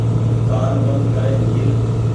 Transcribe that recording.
ڪآن بند ڪرين جهيل۔